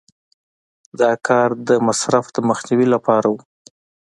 دا کار د مصرف د مخنیوي لپاره و.